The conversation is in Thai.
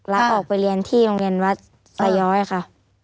รับออกไปเรียนที่โรงเรียนวัดสาย้อยค่ะ